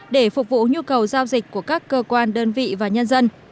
để phục vụ nhu cầu giao dịch của các cơ quan đơn vị và nhân dân